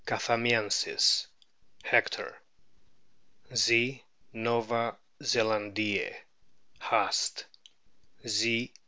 chathamiensis, Hector; Z. nova zelandiez, Haast ; Z.